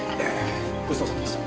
ごちそうさまでした。